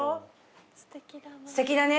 すてきだな。